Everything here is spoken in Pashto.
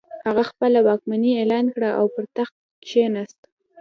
هغه خپله واکمني اعلان کړه او پر تخت کښېناست.